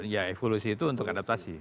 ya evolusi itu untuk adaptasi